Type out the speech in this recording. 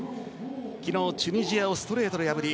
昨日チュニジアをストレートで破り